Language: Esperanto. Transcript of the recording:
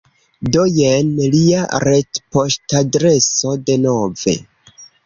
Do, jen lia retpoŝtadreso denove